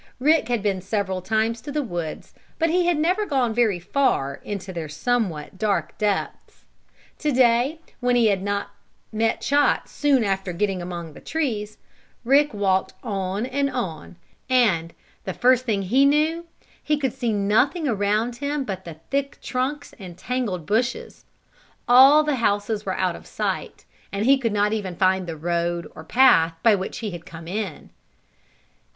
Rick had been several times to the woods, but he had never gone very far into their somewhat dark depths. To day, when he had not met Chot soon after getting among the trees, Rick walked on and on, and, the first thing he knew he could see nothing around him but the thick trunks and tangled bushes. All the houses were out of sight, and he could not even find the road, or path, by which he had come in.